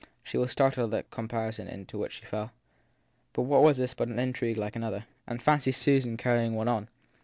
She was startled at the comparison into which she fell but what was this but an intrigue like another ? And fancy Susan carrying one on